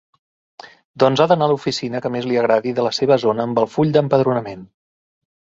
Doncs ha d'anar a l'oficina que més li agradi de la seva zona amb el full d'empadronament.